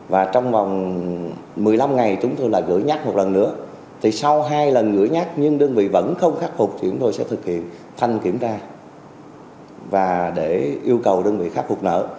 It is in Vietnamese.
và trong vòng một mươi năm ngày chúng tôi lại gửi nhắc một lần nữa thì sau hai lần gửi nhắc nhưng đơn vị vẫn không khắc phục thì chúng tôi sẽ thực hiện thanh kiểm tra và để yêu cầu đơn vị khắc phục nợ